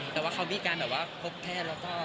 แต่ว่าเขามีการแบบว่าพบแพทย์แล้วก็